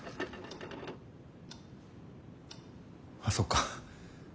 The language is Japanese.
あそっか。